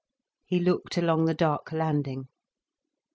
He looked along the dark landing.